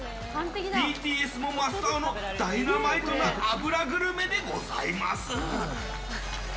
ＢＴＳも真っ青のダイナマイトな脂グルメでございます。